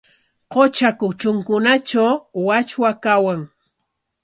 Qutra kutrunkunatraw wachwa kawan.